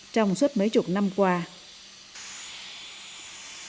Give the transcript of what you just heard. trong suốt mấy chục năm của ông